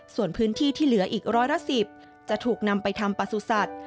ส่วนพื้นที่ที่เหลืออีกร้อยละ๑๐จะถูกนำไปทำประสุทธิ์